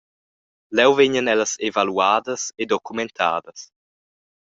Leu vegnan ellas evaluadas e documentadas.